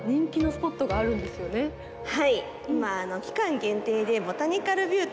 はい